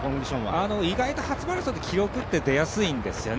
意外と初マラソンって記録が出やすいんですよね。